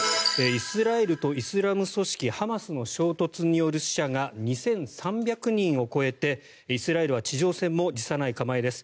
イスラエルとイスラム組織ハマスの衝突による死者が２３００人を超えてイスラエルは地上戦も辞さない構えです。